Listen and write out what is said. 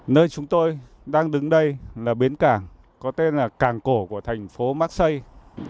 nơi chúng tôi đang đứng đây là biến cảng có tên là càng cổ của thành phố marseille